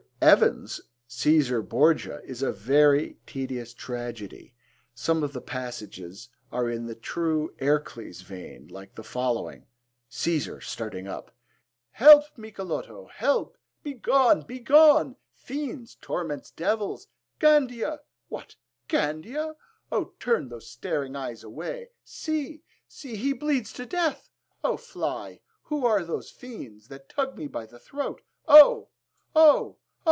Mr. Evans's Caesar Borgia is a very tedious tragedy. Some of the passages are in the true 'Ercles' vein,' like the following: CAESAR (starting up). Help, Michelotto, help! Begone! Begone! Fiends! torments! devils! Gandia! What, Gandia? O turn those staring eyes away. See! See He bleeds to death! O fly! Who are those fiends That tug me by the throat? O! O! O!